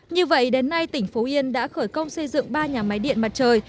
như vậy đến nay tỉnh phú yên đã khởi công xây dựng ba nhà máy điện mặt trời